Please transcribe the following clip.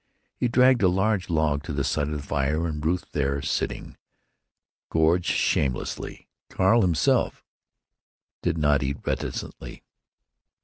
He dragged a large log to the side of the fire, and Ruth, there sitting, gorged shamelessly. Carl himself did not eat reticently.